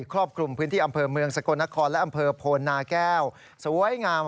ครอบคลุมหลังดันต้นเพื่องผมพูดให้หิวเยี่ยม